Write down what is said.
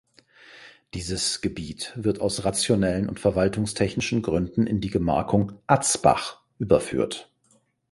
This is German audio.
Dieses Gebiet wird aus rationellen und verwaltungstechnischen Gründen in die Gemarkung Atzbach überführt.